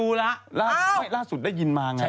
จากกระแสของละครกรุเปสันนิวาสนะฮะ